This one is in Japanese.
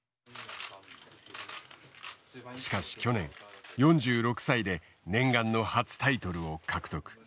しかし去年４６歳で念願の初タイトルを獲得。